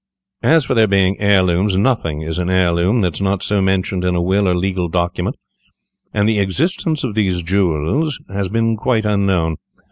As for their being heirlooms, nothing is an heirloom that is not so mentioned in a will or legal document, and the existence of these jewels has been quite unknown.